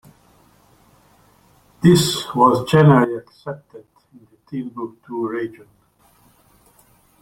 This was generally accepted in the Timbuktu region.